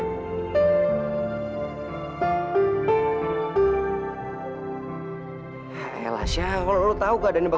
baik sayaalley itu juga keny combat